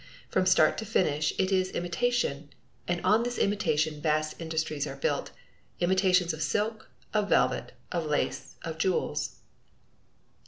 From start to finish it is imitation, and on this imitation vast industries are built imitations of silk, of velvet, of lace, of jewels.